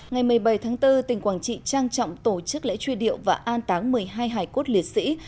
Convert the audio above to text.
ngày một mươi bảy bốn tỉnh quảng trị trang trọng tổ chức lễ truyền điệu và an táng một mươi hai hải quốc liệt sĩ